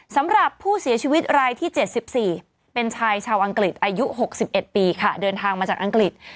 สำหรับผู้เสียชีวิตรายที่๗๔เป็นชายชาวอังกฤษอายุ๖๑ปีค่ะเดินทางมาจากอังกฤษ